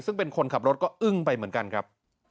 ซึ่งเป็นคนขับรถก็อึ้งไปเหมือนกันครับ